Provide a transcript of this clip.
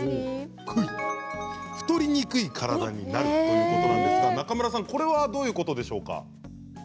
太りにくい体になるということなんですが中村さんこれはどういうことなんでしょうか？